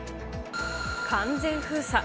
完全封鎖。